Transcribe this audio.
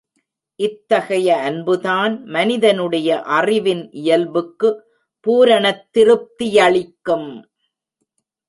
இதுத்தகைய அன்புதான் மனிதனுடைய அறிவின் இயல்புக்கு பூரணத் திருப்தி யளிக்கும்.